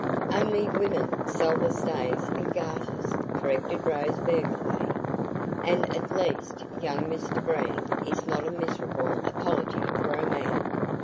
"Only women sell the stays and garters," corrected Rose vehemently. "And at least young Mr Breen is not a miserable apology for a man.